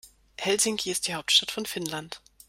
Helsinki ist die Hauptstadt von Finnland.